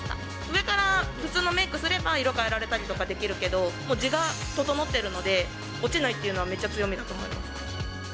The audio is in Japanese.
上から普通のメークすれば、色を変えられたりとかできるけど、もう地が整っているので、落ちないっていうのはめっちゃ強みだと思います。